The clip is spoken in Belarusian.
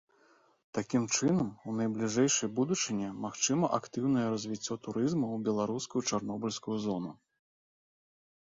Такім чынам, у найбліжэйшай будучыні магчыма актыўнае развіццё турызму ў беларускую чарнобыльскую зону.